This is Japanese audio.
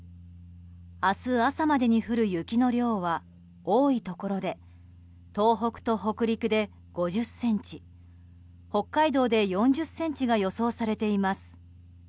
明日朝までに降る雪の量は多いところで東北と北陸で５０ｃｍ北海道で４０ｃｍが予想されています。